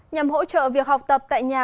nhằm hỗ trợ việc học tập tại nhà